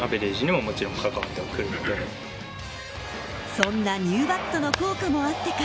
そんなニューバットの効果もあってか